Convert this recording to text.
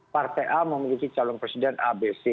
partai a memiliki calon presiden abc